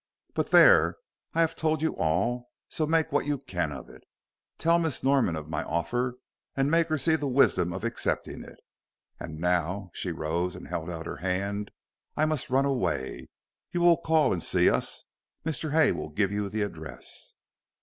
But there, I have told you all, so make what you can of it. Tell Miss Norman of my offer, and make her see the wisdom of accepting it. And now" she rose, and held out her hand "I must run away. You will call and see us? Mr. Hay will give you the address."